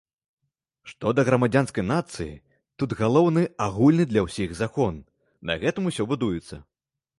Што да грамадзянскай нацыі, тут галоўны агульны для ўсіх закон, на гэтым усё будуецца.